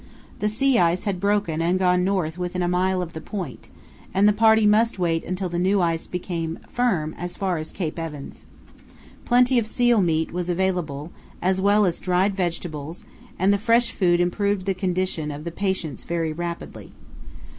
The sea ice had broken and gone north within a mile of the point, and the party must wait until the new ice became firm as far as Cape Evans. Plenty of seal meat was available, as well as dried vegetables, and the fresh food improved the condition of the patients very rapidly.